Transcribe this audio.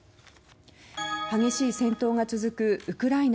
激しい戦闘が続くウクライナ